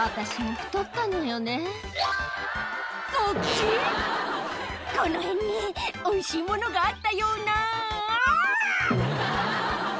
この辺に、おいしいものがあったような。